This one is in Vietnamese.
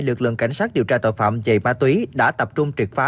lực lượng cảnh sát điều tra tội phạm về ma túy đã tập trung triệt phá